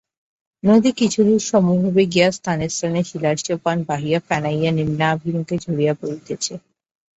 নদী কিছুদূর সমভাবে গিয়া স্থানে স্থানে শিলাসোপান বাহিয়া ফেনাইয়া নিম্নাভিমুখে ঝরিয়া পড়িতেছে।